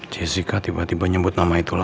jessica tiba tiba nyebut nama itu dulu